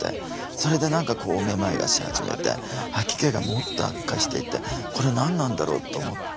それで何かこうめまいがし始めて吐き気がもっと悪化していって「これ何なんだろう」と思って。